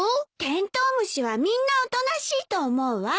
テントウムシはみんなおとなしいと思うわ。